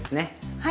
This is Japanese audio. はい。